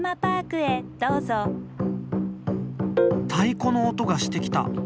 太鼓の音がしてきた。